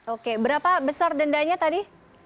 oke berapa besar dendanya tadi